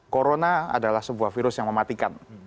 corona adalah sebuah virus yang mematikan